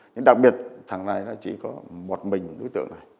nhưng đặc biệt thằng này chỉ có một mình đối tượng